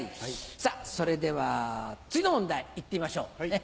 さぁそれでは次の問題いってみましょう。